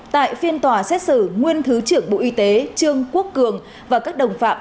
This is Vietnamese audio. tại phiên tòa xét xử nguyên thứ trưởng bộ y tế trương quốc cường và các đồng phạm